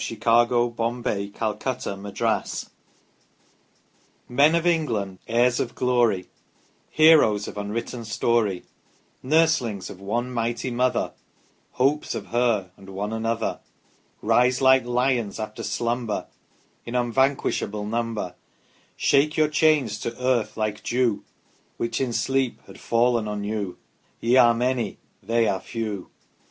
. .44 Plan of Peterloo 46 iii Men of England, heirs of Glory, Heroes of unwritten story, Nurslings of one mighty Mother, Hopes of her, and one another ; Rise like Lions after slumber In unvanquishable number, Shake your chains to earth like dew Which in sleep had fallen on you Ye are many they are few.